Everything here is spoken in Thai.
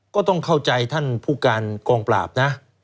ก็ต้องเข้าใจท่านผู้การกองปราบนะ